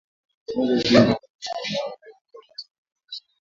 Ngozi huvimba na kujikunjakunja hasa kwenye shingo